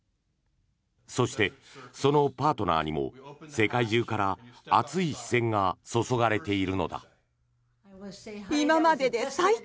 そしてそのパートナーにも世界中から熱い視線が注がれているのだ。